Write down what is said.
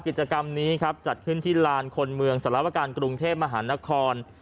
กิจกรรมนี้ครับจัดขึ้นที่ลานคนเมืองสารวการกรุงเทพมหานคร